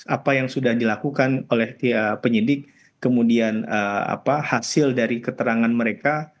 apa yang sudah dilakukan oleh penyidik kemudian hasil dari keterangan mereka